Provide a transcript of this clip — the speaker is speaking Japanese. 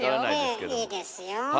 ええいいですよ。